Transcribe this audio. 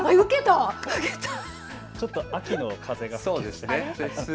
ちょっと秋の風が吹きそうですね。